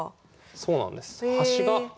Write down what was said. そうなんです。